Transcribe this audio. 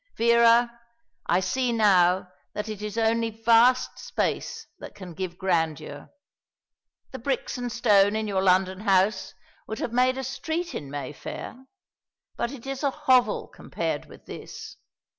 Vera, I see now that it is only vast space that can give grandeur. The bricks and stone in your London house would have made a street in Mayfair; but it is a hovel compared with this.